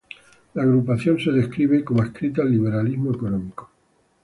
La agrupación es descrita como adscrita al liberalismo económico.